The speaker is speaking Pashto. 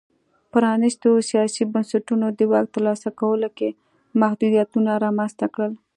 پرانیستو سیاسي بنسټونو د واک ترلاسه کولو کې محدودیتونه رامنځته کړل.